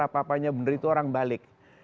apa apanya bener itu orang balik